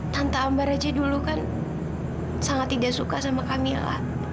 tante amar aja dulu kan sangat tidak suka sama camilla